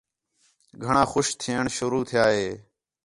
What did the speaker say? گھݨاں خوش تھئین شروع تِھیا ہے